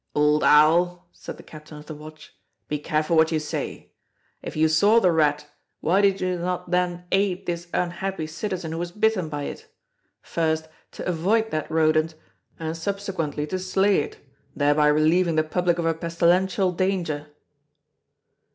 "Old owl!" said the Captain of the Watch: "Be careful what you say! If you saw the rat, why did you then not aid this unhappy citizen who was bitten by it—first, to avoid that rodent, and subsequently to slay it, thereby relieving the public of a pestilential danger?"